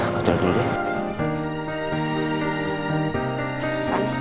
aku jalan dulu ya